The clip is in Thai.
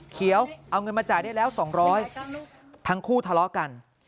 เขียวเอาเงินมาจ่ายได้แล้ว๒๐๐ทั้งคู่ทะเลาะกัน